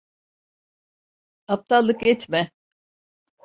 Aptallık etme!